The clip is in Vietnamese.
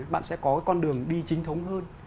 bạn sẽ có con đường đi chính thống hơn